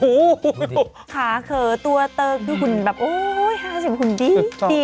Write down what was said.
อู๋ขาเข่อตัวตรงชุดหุ่นแบบอู้ย๕๐หุ่นดี